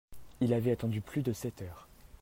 Il avait attendu plus de sept heures.